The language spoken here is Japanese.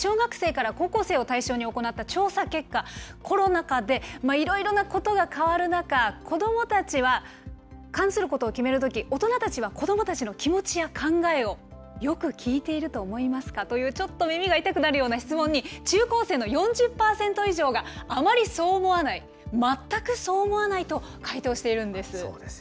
去年小学生から高校生を対象に行った調査結果、コロナ禍でいろいろなことが変わる中、子どもたちは関することを決めるとき、大人たちは子どもたちの気持ちや考えをよく聞いていると思いますか？という、ちょっと耳が痛くなるような質問に、中高生の４０％以上が、あまりそう思わない、全くそう思わないと回答しているんです。